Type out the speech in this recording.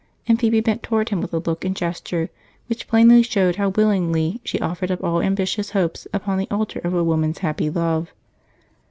And Phebe bent toward him with a look and gesture which plainly showed how willingly she offered up all ambitious hopes upon the altar of a woman's happy love.